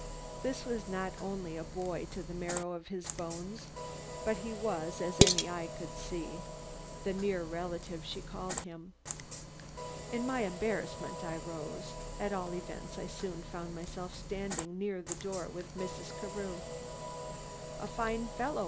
This was not only a boy to the marrow of his bones, but he was, as any eye could see, the near relative she called him. In my embarrassment I rose; at all events I soon found myself standing near the door with Mrs. Carew. "A fine fellow!"